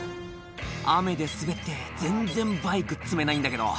「雨で滑って全然バイク積めないんだけど」